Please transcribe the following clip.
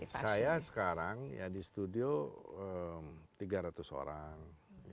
ya saya sekarang ya di studio tiga ratus orang